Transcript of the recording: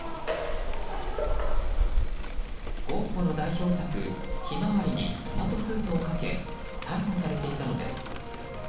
ゴッホの代表作「ひまわり」にトマトスープをかけ逮捕されていたのです。